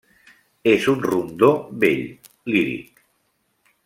És un rondó bell, líric.